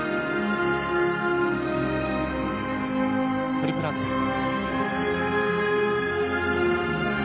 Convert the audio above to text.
トリプルアクセル。